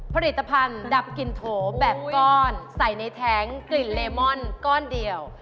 ผลิตภัณฑ์ดับกลิ่นโถแบบก้อนใส่ในแท้งกลิ่นเลมอนก้อนเดียว